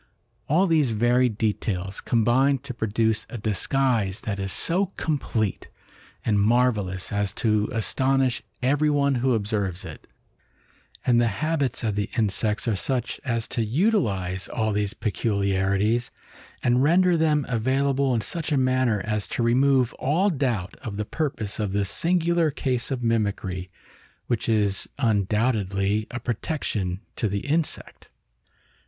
All these varied details combine to produce a disguise that is so complete and marvellous as to astonish everyone who observes it; and the habits of the insects are such as to utilize all these peculiarities, and render them available in such a manner as to remove all doubt of the purpose of this singular case of mimicry, which is undoubtedly a protection to the insect.